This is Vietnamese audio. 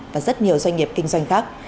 và rất nhiều doanh nghiệp kinh doanh khác